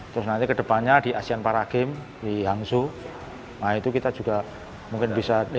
terus nanti kedepannya di asean paragame di hangzhou nah itu kita juga mungkin bisa ya dapat medali mas